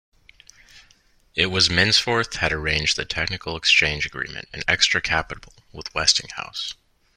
It was Mensforth had arranged the technical exchange agreement and extra capital with Westinghouse.